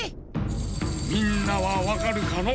⁉みんなはわかるかのう？